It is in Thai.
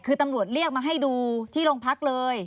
คือตำรวจเรียกมาให้ดูที่โรงพักเลย